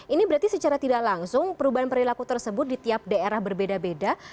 ini berarti secara tidak langsung perubahan perilaku tersebut di tiap daerah berbeda beda